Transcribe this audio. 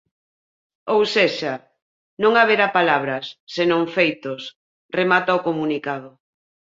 Ou sexa, non haberá palabras, senón feitos, remata o comunicado.